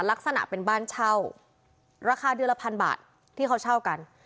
ลักษณะเป็นบ้านเช่าราคาเดือนละพันบาทที่เขาเช่ากัน